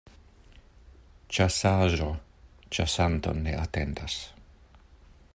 Ĉasaĵo ĉasanton ne atendas.